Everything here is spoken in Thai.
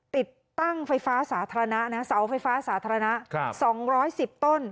ติดตั้งไฟฟ้าสาธารณะนะเสาไฟฟ้าสาธารณะ๒๑๐ต้น